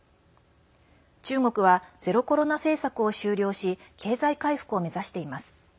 中国はゼロコロナ政策を終了し経済回復を目指しています。